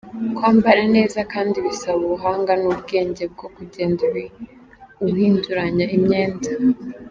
Kwambara neza kandi bisaba ubuhanga n'ubwenge bwo kugenda uhinduranya imyenda.